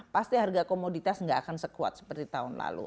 pasti harga komoditas nggak akan sekuat seperti tahun lalu